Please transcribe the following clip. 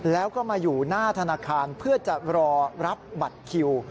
แล้วก็มาอยู่หน้าธนาคารเพื่อจะรอรับบัตรคิว